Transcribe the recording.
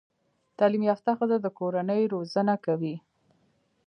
تعليم يافته ښځه د کورنۍ روزانه کوي